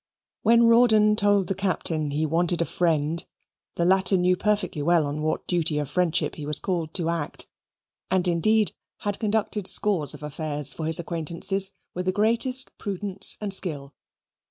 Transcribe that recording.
When Rawdon told the Captain he wanted a friend, the latter knew perfectly well on what duty of friendship he was called to act, and indeed had conducted scores of affairs for his acquaintances with the greatest prudence and skill.